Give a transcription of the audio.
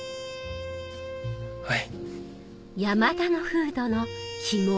はい。